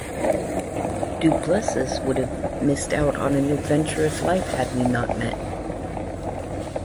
DuPlesis would have missed out on an adventurous life had we not met.